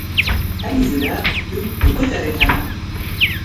Herî zêde pirtûk li ku derê hene?